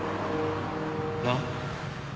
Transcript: なっ？